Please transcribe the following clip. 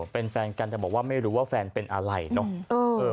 เป็นแฟนกันแต่บอกว่าไม่รู้ว่าแฟนเป็นอะไรเนอะ